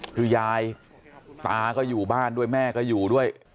คือยายตาก็อยู่บ้านด้วยแม่ก็อยู่ด้วย